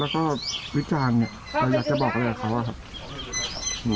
แล้วก็วิจารณ์เนี่ยเราอยากจะบอกอะไรกับเขาอะครับ